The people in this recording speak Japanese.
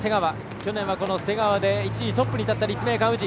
去年は瀬川で一時トップに立った立命館宇治。